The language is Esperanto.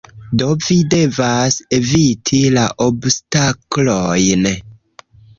Do vi devas eviti la obstaklojn.